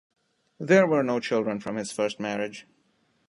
There were no children from his first marriage.